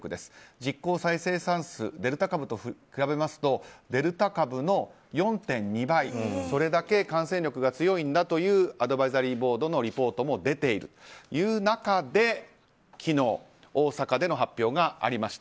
実効再生産数デルタ株と比べるとデルタ株の４．２倍これだけ感染力が強いんだというアドバイザリーボードのリポートも出ている中で昨日、大阪での発表がありました。